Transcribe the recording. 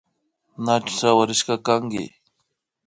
Ñachu sawarishka kanki